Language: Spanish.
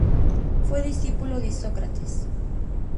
Fue discípulo de Isócrates.